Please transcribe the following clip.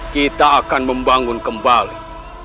kita akan membangun kembali